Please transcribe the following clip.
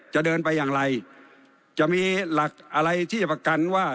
จะเดินไปอย่างไรจะมีหลักอะไรที่จะประกันว่า